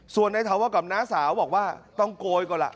ส่วนในถาวรกับน้าสาวบอกว่าต้องโกยก่อนล่ะ